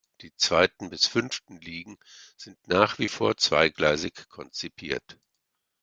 Die zweiten bis fünften Ligen sind nach wie vor zweigleisig konzipiert.